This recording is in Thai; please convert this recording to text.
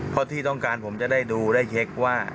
เพราะที่ต้องการผมจะได้ดูได้เช็คว่า